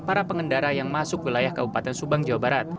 para pengendara yang masuk wilayah kabupaten subang jawa barat